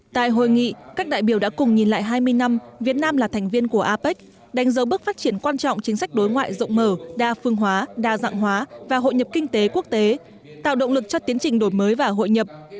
tại hội nghị các đại biểu đã cùng nhìn lại hai mươi năm việt nam là thành viên của apec đánh dấu bước phát triển quan trọng chính sách đối ngoại rộng mở đa phương hóa đa dạng hóa và hội nhập kinh tế quốc tế tạo động lực cho tiến trình đổi mới và hội nhập